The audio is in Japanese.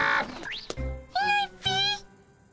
いないっピ。